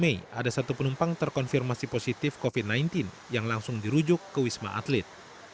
dari delapan belas hingga sembilan belas mei ada satu penumpang terkonfirmasi positif covid sembilan belas yang langsung dirujuk ke wisma atlet